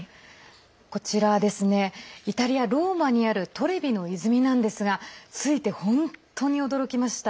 こちらはイタリア・ローマにあるトレビの泉なんですが着いて本当に驚きました！